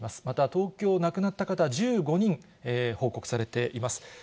また東京、亡くなった方、１５人報告されています。